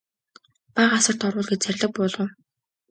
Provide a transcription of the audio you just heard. Бага асарт оруул гэж зарлиг буулгав.